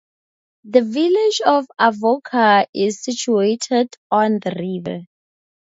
The village of Avoca is situated on the river.